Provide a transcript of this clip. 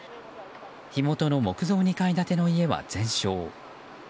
火元の木造２階建ての家は全焼。